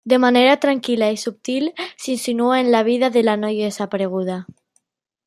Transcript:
De manera tranquil·la i subtil, s'insinua en la vida de la noia desapareguda.